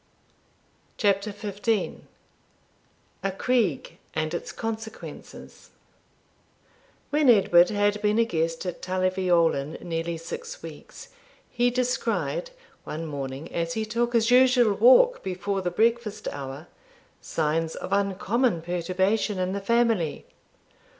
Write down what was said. CHAPTER XV A CREAGH, AND ITS CONSEQUENCES When Edward had been a guest at Tully Veolan nearly six weeks, he descried, one morning, as he took his usual walk before the breakfast hour, signs of uncommon perturbation in the family.